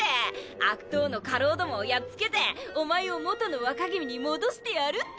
悪党の家老どもをやっつけておまえを元の若君に戻してやるって！！